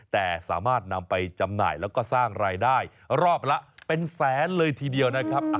แต่สามารถนำไปจำหน่ายแล้วก็สร้างรายได้รอบละเป็นแสนเลยทีเดียวนะครับ